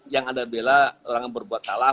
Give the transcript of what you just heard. yang anda bela orang yang berbuat salah